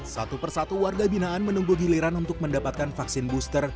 satu persatu warga binaan menunggu giliran untuk mendapatkan vaksin booster